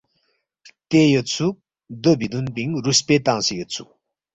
ہرتے یودسُوک دو بی دُون پِنگ رُوسپے تنگسے یودسُوک